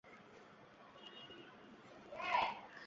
তোমার সাথে না, আমার বুবুর সাথে কথা বলা দরকার।